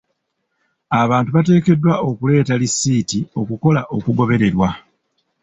Abantu bateekeddwa okuleeta lisiiti okukola okugobererwa.